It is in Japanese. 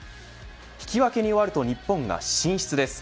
引き分けに終わると日本が進出です。